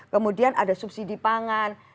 kemudian ada subsidi pangan